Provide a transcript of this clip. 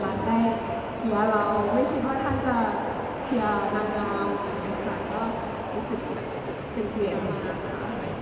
ได้เชียร์เราไม่คิดว่าท่านจะเชียร์นางงามนะคะก็รู้สึกเป็นเกียรติมากค่ะ